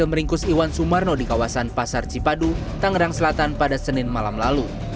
meringkus iwan sumarno di kawasan pasar cipadu tangerang selatan pada senin malam lalu